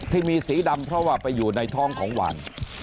ที่มีสีดำเพราะว่าไปอยู่ในท้องของหวาน